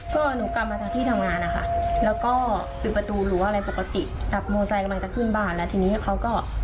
สวัสดีค่ะ